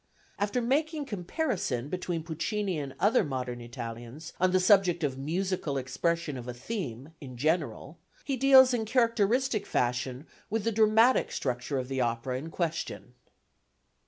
After making comparison between Puccini and other modern Italians on the subject of musical expression of a theme, in general, he deals, in characteristic fashion, with the dramatic structure of the opera in question.